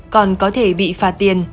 còn có thể bị phạt tiền